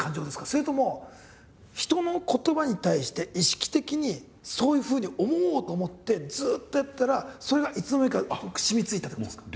それとも人の言葉に対して意識的にそういうふうに思おうと思ってずっとやってたらそれがいつの間にかしみついた感じですか？